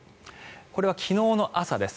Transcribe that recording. これは昨日の朝です。